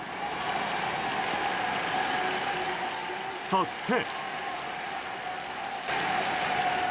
そして。